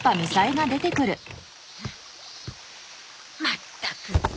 まったく。